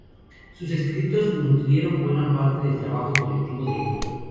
Sus escritos nutrieron buena parte del trabajo colectivo del grupo.